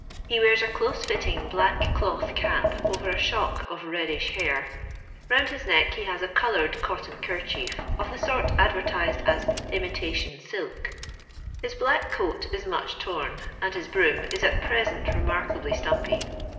He wears a dose fitting black cloth cap over a shook of reddish hair; round his neck he has a coloured cotton kerchief, of the sort advertised as Imitetion Silk." His black coat is much torn, and his broom is at pre sent remarkably stumpy.